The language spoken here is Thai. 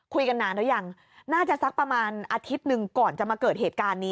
คุยกันนานหรือยังน่าจะสักประมาณอาทิตย์หนึ่งก่อนจะมาเกิดเหตุการณ์นี้